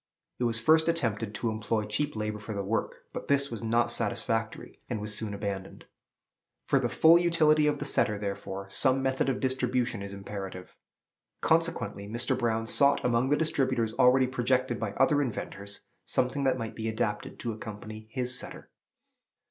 It was first attempted to employ cheap labor for the work; but this was not satisfactory, and was soon abandoned. For the full utility of the setter, therefore, some method of distribution is imperative. Consequently Mr. Brown sought among the distributers already projected by other inventors something that might be adapted to accompany his setter.